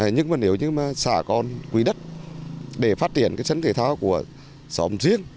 nhưng mà nếu như mà xã còn quý đất để phát triển cái sân thể thao của xóm riêng